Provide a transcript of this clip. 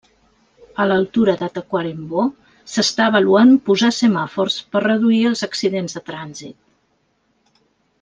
A l'altura de Tacuarembó, s'està avaluant posar semàfors per reduir els accidents de trànsit.